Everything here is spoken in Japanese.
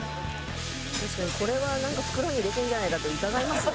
確かにこれはなんか袋に入れてるんじゃないかって疑いますね。